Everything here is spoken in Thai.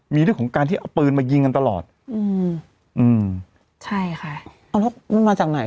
มีเรื่องของการที่เอาปืนมายิงกันตลอดอืมอืมใช่ค่ะเอาแล้วมันมาจากไหน